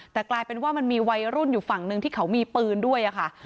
แต่กลายเป็นว่ามันมีวัยรุ่นอยู่ฝั่งนึงที่เขามีปืนด้วยค่ะ